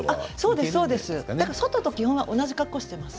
外と基本、同じ格好しています。